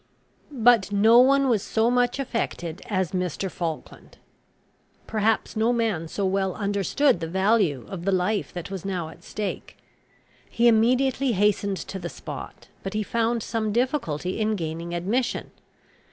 But no one was so much affected as Mr. Falkland. Perhaps no man so well understood the value of the life that was now at stake. He immediately hastened to the spot; but he found some difficulty in gaining admission.